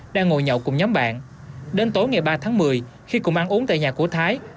đang ngồi nhậu cùng nhóm bạn đến tối ngày ba tháng một mươi khi cùng ăn uống tại nhà của thái